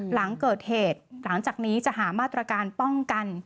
หลังเกิดเหตุหลังจากนี้จะหามาตรการป้องกัน